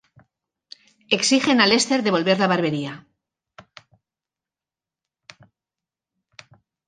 Exigen a Lester devolver la barbería.